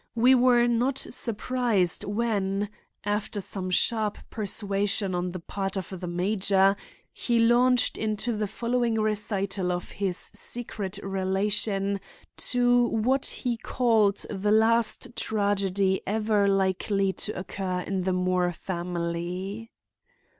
We were not surprised when, after some sharp persuasion on the part of the major, he launched into the following recital of his secret relation to what he called the last tragedy ever likely to occur in the Moore family.